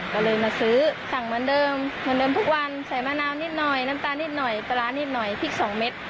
ก็เลยมาซื้อสั่งเหมือนเดิมเหมือนเดิมทุกวันใส่มะนาวนิดหน่อยน้ำตาลนิดหน่อยปลาร้านิดหน่อยพริกสองเม็ด